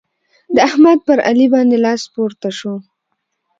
د احمد پر علي باندې لاس پورته شو.